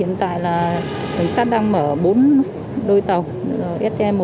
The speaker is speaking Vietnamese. hiện tại là hành khách đang mở có thể bán được ba đến năm vé hiện tại là hành khách đang mở